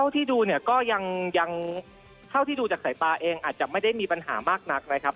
เท่าที่ดูจากสายตาเองอาจจะไม่ได้มีปัญหามากนักนะครับ